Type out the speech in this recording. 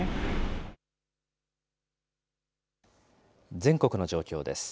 全国の状況です。